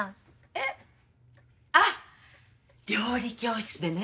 えっあっ料理教室でね